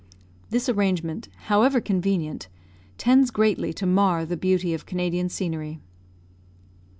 This arrangement, however convenient, tends greatly to mar the beauty of Canadian scenery.